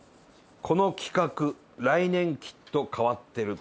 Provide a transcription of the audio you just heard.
「この企画来年きっと変わってる」。